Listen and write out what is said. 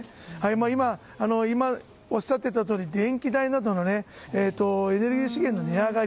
今、おっしゃっていたとおり電気代などのエネルギー資源の値上がり。